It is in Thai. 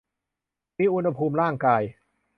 มีอุณหภูมิร่างกาย